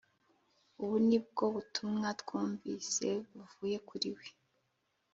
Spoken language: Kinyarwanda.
Ubu ni bwo butumwa twumvise buvuye kuri we,